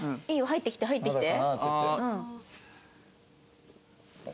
入ってきて入ってきて。